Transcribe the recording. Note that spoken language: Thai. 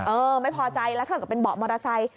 เออไม่พอใจแล้วถ้าเกิดเป็นเบาะมอเตอร์ไซค์